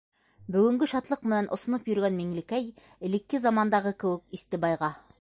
Бөгөнгө шатлыҡ менән осоноп йөрөгән Миңлекәй, элекке замандағы кеүек, Истебайға: